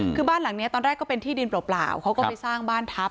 คือบ้านหลังนี้ตอนแรกก็เป็นที่ดินเปล่าเขาก็ไปสร้างบ้านทัพ